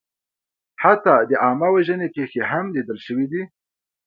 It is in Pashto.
حتی د عامهوژنې پېښې هم لیدل شوې دي.